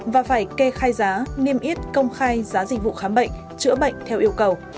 và phải kê khai giá niêm yết công khai giá dịch vụ khám bệnh chữa bệnh theo yêu cầu